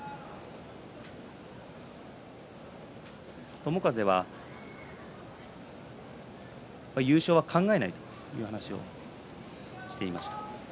友風は優勝は考えないという話をしていました。